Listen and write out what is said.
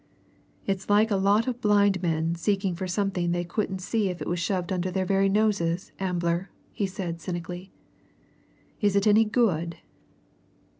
"It's like a lot of blind men seeking for something they couldn't see if it was shoved under their very noses, Ambler!" he said cynically. "Is it any good?"